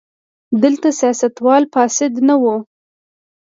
دلته سیاستوال فاسد نه وو.